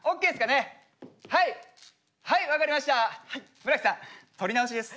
村木さん撮り直しです。